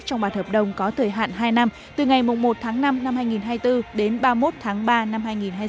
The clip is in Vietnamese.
trong bản hợp đồng có thời hạn hai năm từ ngày một tháng năm năm hai nghìn hai mươi bốn đến ba mươi một tháng ba năm hai nghìn hai mươi sáu